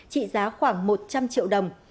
trị giá khoảng một trăm linh triệu đồng